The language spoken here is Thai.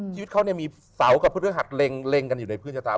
ชีวิตเขาเนี่ยมีเสากับพฤษฐศาสตร์เล็งกันอยู่ในพื้นชะตา